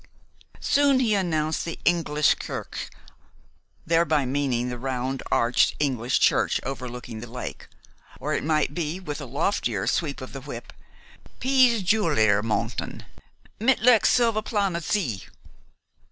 Soon he announced the "Engelish kirch," thereby meaning the round arched English church overlooking the lake; or it might be, with a loftier sweep of the whip, "Piz Julier montin, mit lek Silvaplaner See."